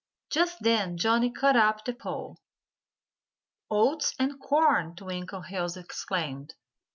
Just then Johnnie caught up the pole. "Oats and corn!" Twinkleheels exclaimed.